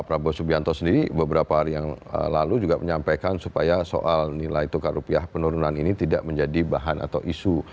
prabowo subianto sendiri beberapa hari yang lalu juga menyampaikan supaya soal nilai tukar rupiah penurunan ini tidak menjadi bahan atau isu